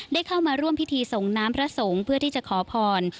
ได้เข้ามาร่วมพิธีส่งน้ำพระสงฆ์เพื่อที่จะขอพร